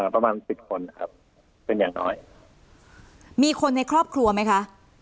ประมาณสิบคนนะครับเป็นอย่างน้อยมีคนในครอบครัวไหมคะ